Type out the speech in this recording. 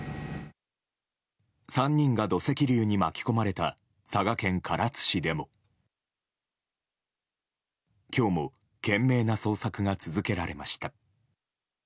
３人が土石流に巻き込まれた佐賀県唐津市でも今日も懸命な捜索が続けられました。